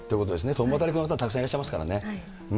共働きの方、たくさんいらっしゃいますからね。